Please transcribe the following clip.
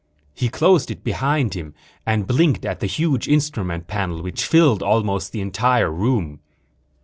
He closed it behind him and blinked at the huge instrument panel which filled almost the entire room.